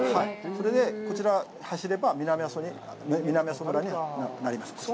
それでこちら、走れば、南阿蘇村になります。